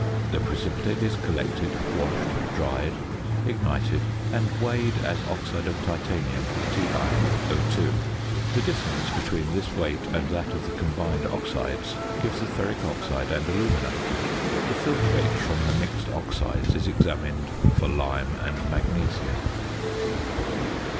The precipitate is collected, washed, dried, ignited, and weighed as oxide of titanium, TiO_. The difference between this weight and that of the combined oxides gives the ferric oxide and alumina. The filtrate from the mixed oxides is examined for lime and magnesia.